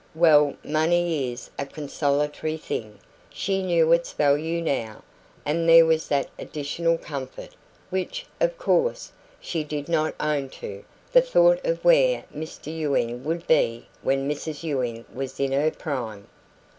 Well, money is a consolatory thing she knew its value now; and there was that additional comfort, which, of course, she did not own to the thought of where Mr Ewing would be when Mrs Ewing was in her prime.